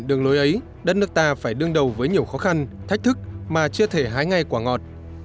đường lối ấy đất nước ta phải đương đầu với nhiều khó khăn thách thức mà chưa thể hái ngay quả ngọt